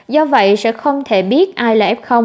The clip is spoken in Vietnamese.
do vậy sẽ không thể biết ai là f